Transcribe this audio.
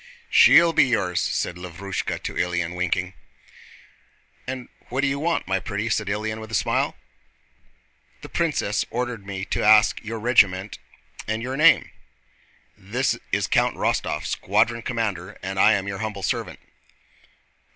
"She'll be ours!" said Lavrúshka to Ilyín, winking. "What do you want, my pretty?" said Ilyín with a smile. "The princess ordered me to ask your regiment and your name." "This is Count Rostóv, squadron commander, and I am your humble servant."